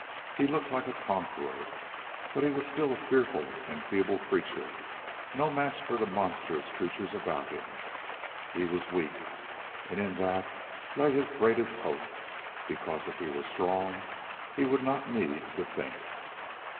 He looked like a conqueror. But he was still a fearful and feeble creature, no match for the monstrous creatures about him. He was weak and in that lay his greatest hope. Because if he were strong, he would not need to think.